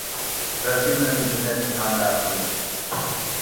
بەلكىم مەندىن بىر نەرسە تامە قىلدى.